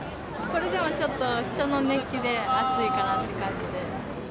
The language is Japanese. これでもちょっと、人の熱気で暑いかなっていう感じで。